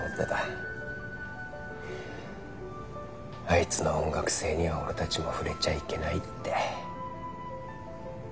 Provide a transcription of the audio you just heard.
あいつの音楽性には俺たちも触れちゃいけないって。